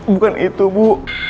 bukan itu bu